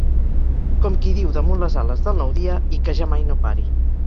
Com qui diu damunt les ales del nou dia, i que ja mai no pari.